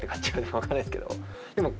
分かんないですけど。